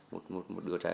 một một một đứa trẻ nhỏ